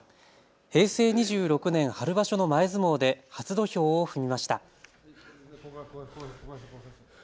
平成２６年春場所の前相撲で初土俵を踏みました。